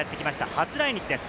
初来日です。